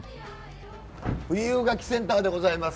富有柿センターでございます。